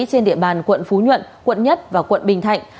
trên địa bàn quận phú nhuận quận một và quận bình thạnh